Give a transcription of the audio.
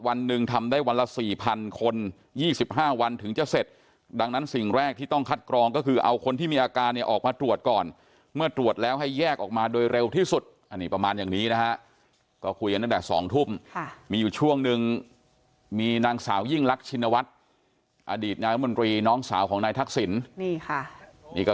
วันหนึ่งทำได้วันละ๔๐๐คน๒๕วันถึงจะเสร็จดังนั้นสิ่งแรกที่ต้องคัดกรองก็คือเอาคนที่มีอาการเนี่ยออกมาตรวจก่อนเมื่อตรวจแล้วให้แยกออกมาโดยเร็วที่สุดอันนี้ประมาณอย่างนี้นะฮะก็คุยกันตั้งแต่๒ทุ่มมีอยู่ช่วงนึงมีนางสาวยิ่งรักชินวัฒน์อดีตนายรัฐมนตรีน้องสาวของนายทักษิณนี่ค่ะนี่ก็